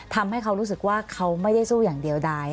ทำให้เขารู้สึกว่าเขาไม่ได้สู้อย่างเดียวใด